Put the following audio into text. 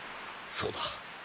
そうだ。